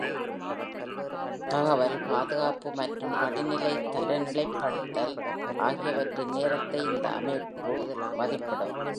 தகவல், பாதுகாப்பு மற்றும் படிநிலை தரநிலைப்படுத்தல் ஆகியவற்றின் நேரத்தை இந்த அமைப்பு மதிப்பிடும்.